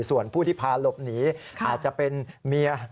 ส่วนผู้ที่พาหลบหนีอาจจะเป็นเมีย